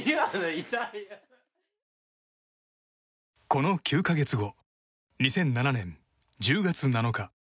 この９か月後２００７年１０月７日。